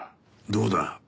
どうだ？